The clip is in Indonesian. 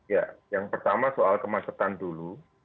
ya yang pertama soal kemacetan dulu